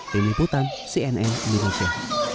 remy putan cnn indonesia